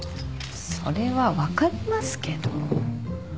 それは分かりますけど。